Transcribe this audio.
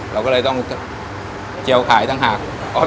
เราก็เลยต้องเจียวขายต่างหาก